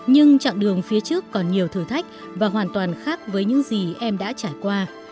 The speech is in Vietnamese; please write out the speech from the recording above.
nhưng chặng đường phía trước còn nhiều thử thách và hoàn toàn khác với những gì em đã trải qua